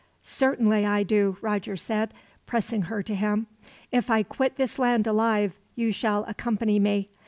"Certainly I do," Roger said, pressing her to him; "if I quit this land alive, you shall accompany me.